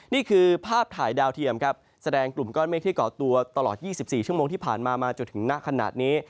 นี่คือภาพถ่ายดาวเทียมครับแสดงกลุ่มก้อนเมฆที่เกาะตัวตลอด๒๔ชั่วโมงที่ผ่านมามาจนถึงหน้าขนาดนี้